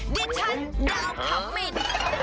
ดิฉันดาวคลับหมิน